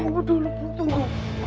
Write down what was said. tunggu dulu tunggu